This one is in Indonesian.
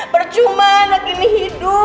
percuma anak ini hidup